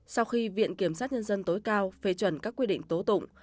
sau khi viện kiểm sát nhân dân tối cao phê chuẩn các quy định tố tụng